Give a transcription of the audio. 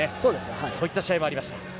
そういう試合もありました。